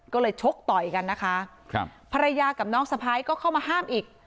ก็เลยชกต่อยกันนะคะครับภรรยากับน้องสะพ้ายก็เข้ามาห้ามอีก